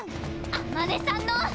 あまねさんの！